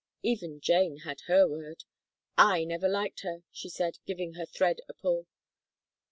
Even Jane had her word: "I never liked her," she said, giving her thread a pull.